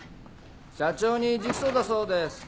社長に直訴だそうです。